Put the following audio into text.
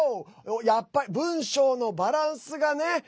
やっぱ、文章のバランスがね。